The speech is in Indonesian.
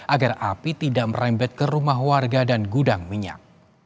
agar api tidak merembet ke rumah warga dan gudang minyak